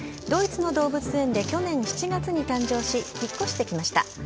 ドイツの動物園で去年７月に誕生し引っ越してきました。